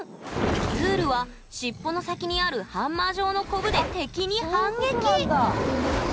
ズールはしっぽの先にあるハンマー状のコブで敵に反撃！